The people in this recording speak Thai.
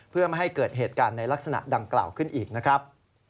เพื่อไม่ให้เกิดเหตุการณ์ในลักษณะดังกล่าวขึ้นอีกนะครับ